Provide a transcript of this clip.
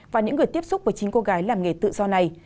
và những người tiếp xúc với chín cô gái làm nghề tự do này